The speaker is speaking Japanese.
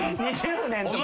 ２０年と。